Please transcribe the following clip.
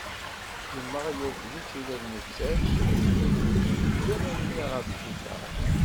Yemmeɣ yerfed-itt ula d nettat yewwi-tt deg yiḍ-nni ɣer sbiṭar.